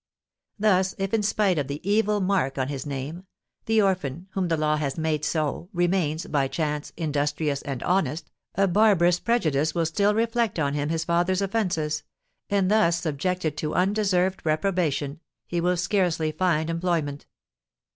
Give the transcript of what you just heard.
Thus, if, in spite of the evil mark on his name, the orphan, whom the law has made so, remains, by chance, industrious and honest, a barbarous prejudice will still reflect on him his father's offences; and thus subjected to undeserved reprobation, he will scarcely find employment.